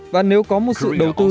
và nếu có một sự đầu tư